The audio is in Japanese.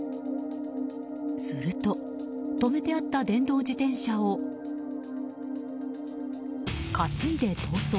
すると、止めてあった電動自転車をかついで逃走。